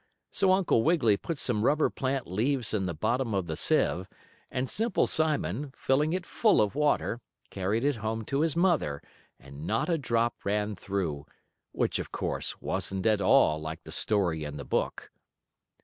So Uncle Wiggily put some rubber plant leaves in the bottom of the sieve, and Simple Simon, filling it full of water, carried it home to his mother, and not a drop ran through, which, of course, wasn't at all like the story in the book.